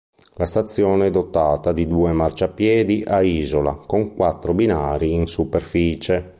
La stazione è dotata di due marciapiedi a isola con quattro binari in superficie.